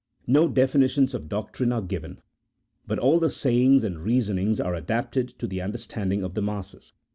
No definitions of doctrine are given, but all the sayings and reasonings are adapted to the understanding of the masses.